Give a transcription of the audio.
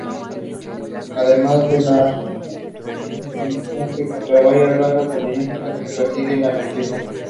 Además de la guerra vigente contra varias razas alienígenas, que persiguen la conquista.